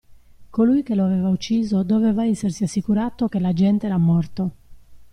Colui che lo aveva ucciso doveva essersi assicurato che l'agente era morto.